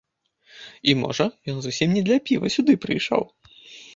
І, можа, ён зусім не для піва сюды прыйшоў.